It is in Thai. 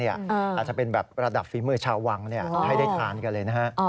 อาจจะเป็นแบบระดับฝีมือชาววังให้ได้ทานกันเลยนะฮะ